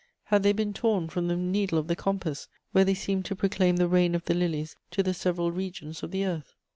Had they been torn from the needle of the compass, where they seemed to proclaim the reign of the lilies to the several regions of the earth?